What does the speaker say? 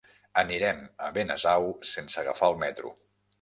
Anirem a Benasau sense agafar el metro.